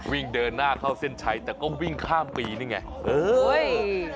วิ่งเดินหน้าเข้าเส้นชัยแต่ก็วิ่งข้ามปีนี่ไงเอ้ย